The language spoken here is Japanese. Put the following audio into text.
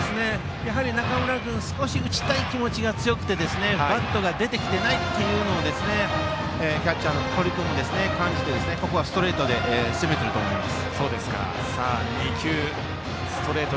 中村君、少し打ちたい気持ちが強くてバットが出てきていないとキャッチャーの堀君も感じてここはストレートで攻めていると思います。